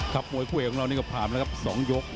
มวยคู่เอกของเรานี่ก็ผ่านแล้วครับ๒ยก